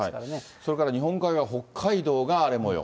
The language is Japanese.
それから日本海側、北海道が荒れもよう。